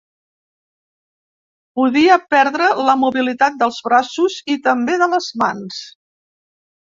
Podia perdre la mobilitat dels braços i també de les mans.